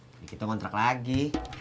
jadi kita ngontrak lagi